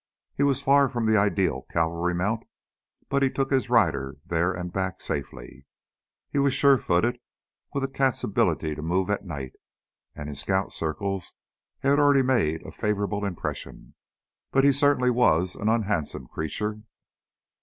He was far from the ideal cavalry mount, but he took his rider there and back, safely. He was sure footed, with a cat's ability to move at night, and in scout circles he had already made a favorable impression. But he certainly was an unhandsome creature.